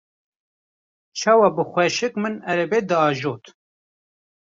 çawa bi xweşik min erebe diajot.